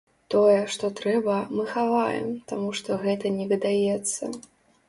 Тое, што трэба, мы хаваем, таму што гэта не выдаецца.